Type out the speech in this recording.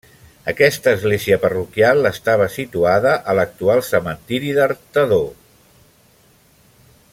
Aquesta església parroquial estava situada a l'actual cementiri d'Artedó.